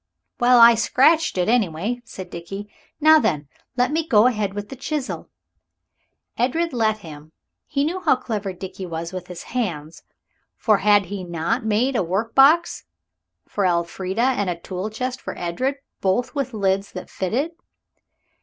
"Well, I scratched it, anyway," said Dickie. "Now, then, let me go ahead with the chisel." Edred let him: he knew how clever Dickie was with his hands, for had he not made a work box for Elfrida and a tool chest for Edred, both with lids that fitted?